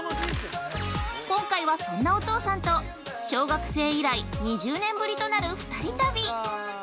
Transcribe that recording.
今回は、そんなお父さんと小学生以来２０年ぶりとなる二人旅。